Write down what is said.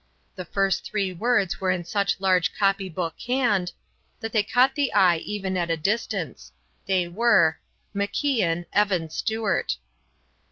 The first three words were in such large copy book hand that they caught the eye even at a distance. They were: "MacIan, Evan Stuart."